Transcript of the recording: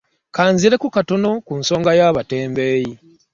Ka nzireko katono ku nsonga y'abatembeeyi.